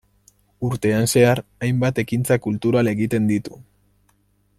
Urtean zehar, hainbat ekintza kultural egiten ditu.